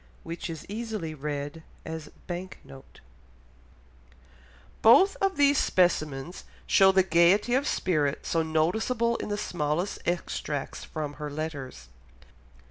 Which is easily read as Bank note. Both of these specimens show the gaiety of spirit so noticeable in the smallest extracts from her letters.